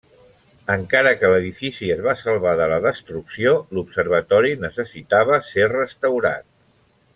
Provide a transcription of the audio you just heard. Encara que l'edifici es va salvar de la destrucció, l'Observatori necessitava ser restaurat.